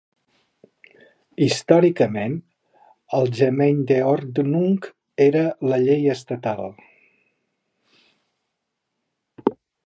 Històricament, el Gemeindeordnung era la llei estatal.